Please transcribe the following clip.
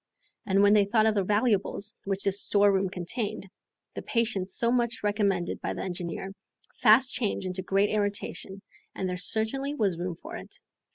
And when they thought of the valuables which this storeroom contained, the patience so much recommended by the engineer, fast changed into great irritation, and there certainly was room for it.